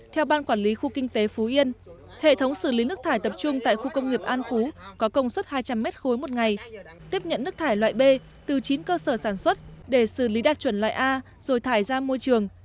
theo ban quản lý khu kinh tế phú yên hệ thống xử lý nước thải tập trung tại khu công nghiệp an phú có công suất hai trăm linh m ba một ngày tiếp nhận nước thải loại b từ chín cơ sở sản xuất để xử lý đạt chuẩn loại a rồi thải ra môi trường